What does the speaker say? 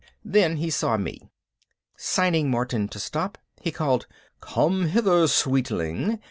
Then he saw me. Signing Martin to stop, he called, "Come hither, sweetling."